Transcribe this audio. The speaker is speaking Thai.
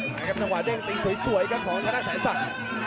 สังหว่าเด้งสวยกับขอขณะใสสาก